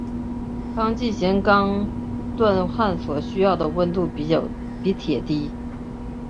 钢进行锻焊所需要的温度比铁低。